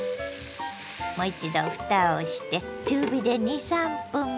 もう一度ふたをして中火で２３分